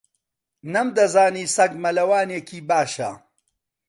نەمدەزانی سەگ مەلەوانێکی باشە.